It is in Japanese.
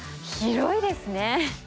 広いですね。